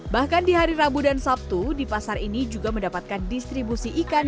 bahkan di hari rabu dan sabtu di pasar ini juga mendapatkan distribusi ikan